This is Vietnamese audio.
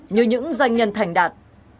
như những doanh nhân thành đạt